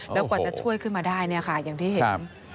แล้วกว่าจะช่วยขึ้นมาได้เนี่ยค่ะอย่างที่เห็น